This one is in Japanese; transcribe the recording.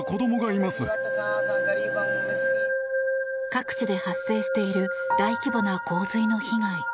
各地で発生している大規模な洪水の被害。